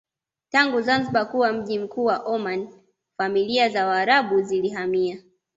Tangu Zanzibar kuwa mji mkuu wa Omani familia za waarabu zilihamia